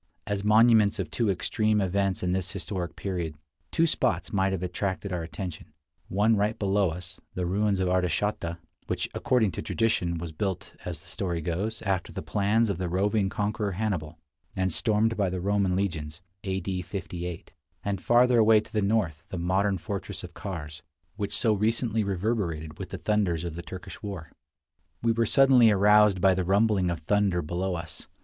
As monuments of two extreme events in this historic period, two spots might have attracted 72 Across Asia on a Bicycle our attention — one right below us, the ruins of Artaxata, which, according to tradition, was built, as the story goes, after the plans of the roving conqueror Hannibal, and stormed by the Roman legions, A. D. 58; and farther away to the north, the modern fortress of Kars, which so recently reverberated with the thunders of the Turkish war. We were suddenly aroused by the rumbling of thunder below us.